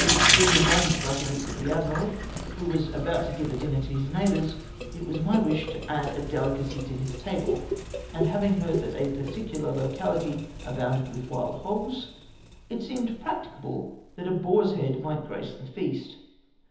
Being invited to pass a week with the admiral, who was about to give a dinner to his neighbours, it was my wish to add a dehcacy to his table ; and having heard that a particular locality abounded with wild hogs, it seemed practicable that a boar's head might grace the feast.